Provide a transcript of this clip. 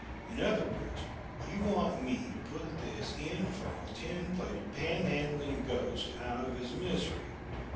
In other words, you want me to put this infernal, tin plated, panhandling ghost out of his misery?"